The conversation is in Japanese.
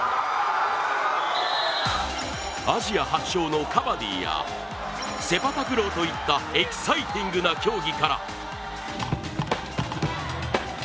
アジア発祥のカバディやセパタクローといったエキサイティングな競技から。